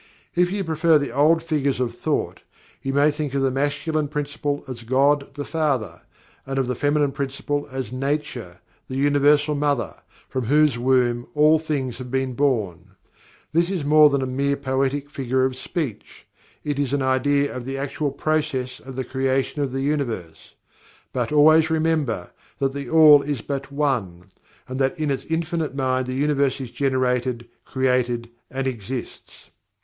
If you prefer the old figures of thought, you may think of the Masculine Principle as GOD, the Father, and of the Feminine Principle as NATURE, the Universal Mother, from whose womb all things have been born. This is more than a mere poetic figure of speech it is an idea of the actual process of the creation of the Universe. But always remember, that THE ALL is but One, and that in its Infinite Mind the Universe is generated, created and exists.